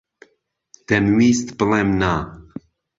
دەمویست بڵێم نا.